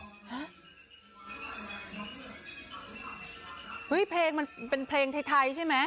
เห้ยเปลงมันเป็นเพลงไทยชิ่งไหม